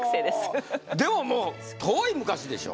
ふふふっでももう遠い昔でしょ？